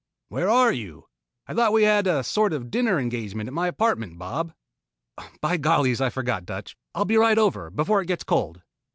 "Where are you? I thought we had a sort of dinner engagement at my apartment, Bob." "By gollies I forgot, Dutch. I'll be right over before it gets cold."